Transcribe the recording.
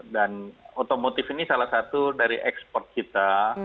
dan otomotif ini salah satu dari ekspor kita